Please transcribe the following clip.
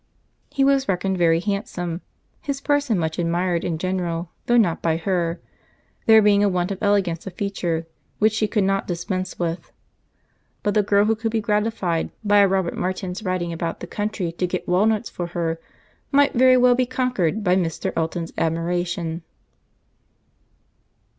He was reckoned very handsome; his person much admired in general, though not by her, there being a want of elegance of feature which she could not dispense with:—but the girl who could be gratified by a Robert Martin's riding about the country to get walnuts for her might very well be conquered by Mr. Elton's admiration.